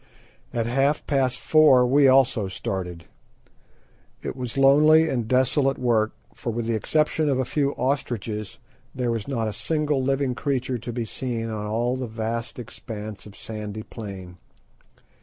At half past four we also started. It was lonely and desolate work, for with the exception of a few ostriches there was not a single living creature to be seen on all the vast expanse of sandy plain.